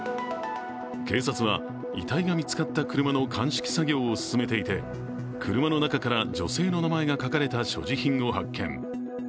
警察は遺体が見つかった車の鑑識作業を進めていて車の中から女性の名前が書かれた所持品を発見